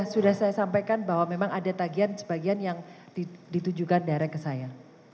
sudah saya sampaikan bahwa memang ada tagihan sebagian yang ditujukan direct ke saya